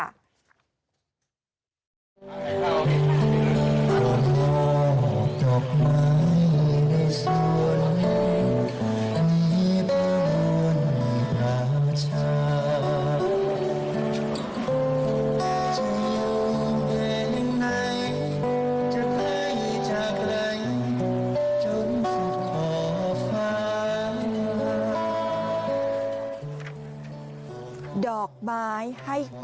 การตลาดนัดนัดส่วยตั้งไป